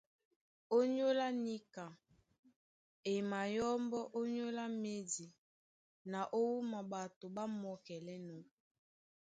Ónyólá níka, e mayɔ́mbɔ́ ónyólá médi na ó wúma ɓato ɓá mɔ́kɛlɛ́nɔ̄.